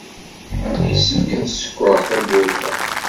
Yessefk ad sekṛeɣ tawwurt-a.